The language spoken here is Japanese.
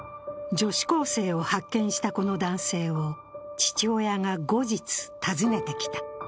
女子高生を発見したこの男性を父親が後日、訪ねてきた。